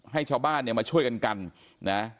ชาวบ้านเนี่ยมาช่วยกันกันนะ